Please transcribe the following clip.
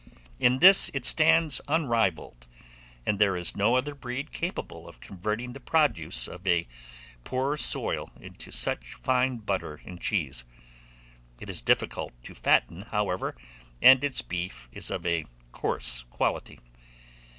In this it stands unrivalled, and there is no other breed capable of converting the produce of a poor soil into such fine butter and cheese. It is difficult to fatten, however, and its beef is of a coarse quality.